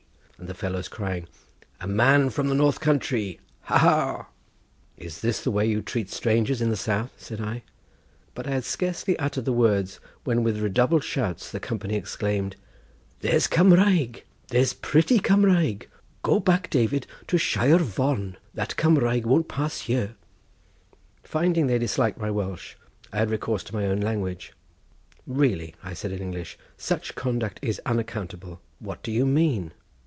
and the fellows crying: "A man from the north country, hoo, hoo!" "Is this the way you treat strangers in the south?" said I. But I had scarcely uttered the words when with redoubled shouts the company exclaimed: "There's Cumraeg! there's pretty Cumraeg. Go back, David, to shire Fon! That Cumraeg won't pass here." Finding they disliked my Welsh I had recourse to my own language. "Really," said I in English, "such conduct is unaccountable. What do you mean?"